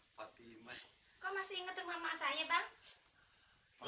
kok masih inget rumah mak saya bang